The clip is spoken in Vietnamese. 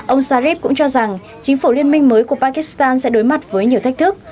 ông sharif cũng cho rằng chính phủ liên minh mới của pakistan sẽ đối mặt với nhiều thách thức